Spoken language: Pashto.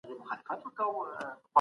فارابي د فاضله ښار ليکوال دی.